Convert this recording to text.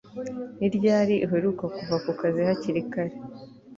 Ni ryari uheruka kuva ku kazi hakiri kare